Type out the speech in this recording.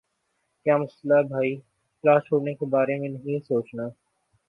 کیا مسلہ بھائی؟ کلاس چھوڑنے کے بارے میں نہیں سوچنا۔